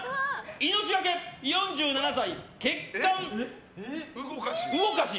命がけ４７歳、血管動かし。